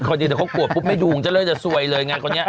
พอดีเดี๋ยวเขากลัวปุ๊บไม่ดูจริงจะสวยเลยอย่างนี้